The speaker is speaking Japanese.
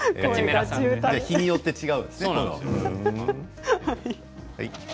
日によって違うんですね。